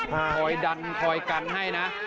พลอยดันพลอยกันให้นะ